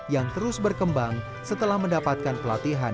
yang terus berkembang setelah mendapatkan pelatihan